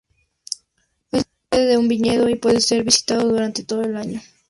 Es la sede de un viñedo y puede ser visitado durante todo el año.